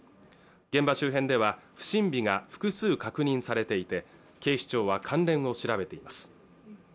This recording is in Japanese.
現場周辺では不審火が複数確認されていて警視庁は関連を調べています